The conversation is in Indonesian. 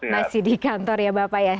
masih di kantor ya bapak ya